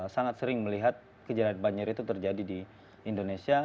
sangat sering melihat kejadian banjir itu terjadi di indonesia